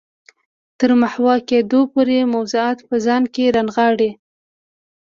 تر محوه کېدو پورې موضوعات په ځان کې رانغاړي.